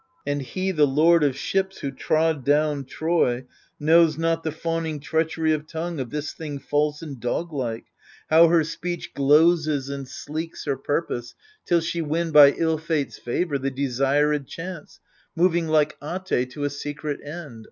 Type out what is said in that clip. And he, the lord of ships, who trod down Troy, Knows not the fawning treachery of tongue Of this thing false and dog like — how her speech 56 AGAMEMNON Glozes and sleeks her purpose, till she win By ill fate's favour the desirM chance, Moving like At^ to a secret end.